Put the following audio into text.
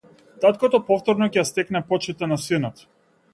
Таткото повторно ќе ја стекне почитта на синот.